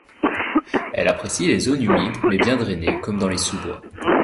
Elle apprécie les zones humides mais bien drainées comme dans les sous-bois.